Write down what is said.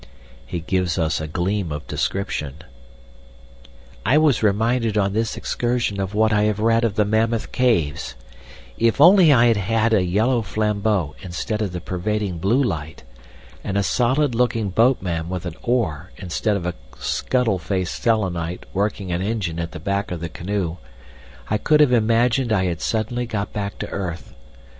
He gives us a gleam of description. "I was reminded on this excursion of what I have read of the Mammoth Caves; if only I had had a yellow flambeau instead of the pervading blue light, and a solid looking boatman with an oar instead of a scuttle faced Selenite working an engine at the back of the canoe, I could have imagined I had suddenly got back to earth.